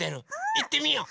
いってみよう。